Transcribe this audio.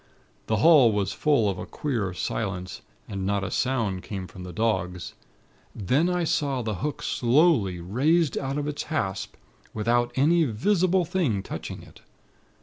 The hall was full of a queer silence, and not a sound came from the dogs. _Then I saw the hook slowly raised from out of its hasp, without any visible thing touching it.